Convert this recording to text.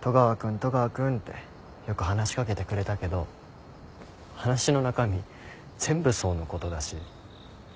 戸川君戸川君ってよく話し掛けてくれたけど話の中身全部想のことだし。